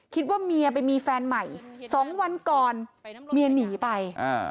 คิดว่าเมียไปมีแฟนใหม่๒วันก่อนเมียหนีไป